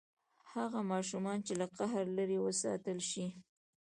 هغه ماشومان چې له قهر لرې وساتل شي.